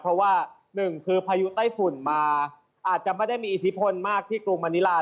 เพราะว่าหนึ่งคือพายุไต้ฝุ่นมาอาจจะไม่ได้มีอิทธิพลมากที่กรุงมณิลา